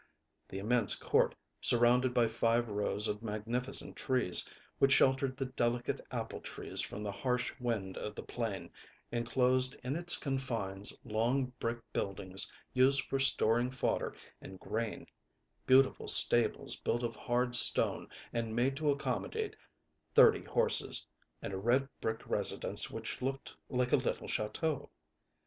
The immense court, surrounded by five rows of magnificent trees, which sheltered the delicate apple trees from the harsh wind of the plain, inclosed in its confines long brick buildings used for storing fodder and grain, beautiful stables built of hard stone and made to accommodate thirty horses, and a red brick residence which looked like a little chateau.